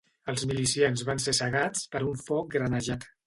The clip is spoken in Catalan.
Els milicians van ser segats per un foc granejat